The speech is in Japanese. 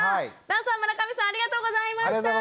壇さん村上さんありがとうございました。